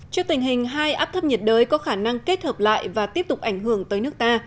trước tình hình hai áp thấp nhiệt đới có khả năng kết hợp lại và tiếp tục ảnh hưởng tới nước ta